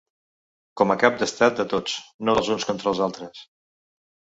Com a cap d’estat de tots, no dels uns contra els altres.